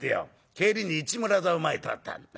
帰りに市村座の前通ったんだ。